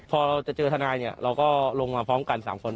พอเราจะเจอทนายเนี่ยเราก็ลงมาพร้อมกัน๓คน